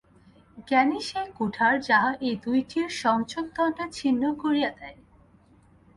জ্ঞানই সেই কুঠার, যাহা ঐ দুইটির সংযোগদণ্ড ছিন্ন করিয়া দেয়।